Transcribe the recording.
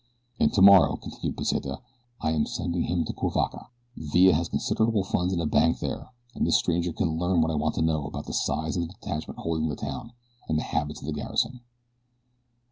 "And tomorrow," continued Pesita, "I am sending him to Cuivaca. Villa has considerable funds in bank there, and this stranger can learn what I want to know about the size of the detachment holding the town, and the habits of the garrison."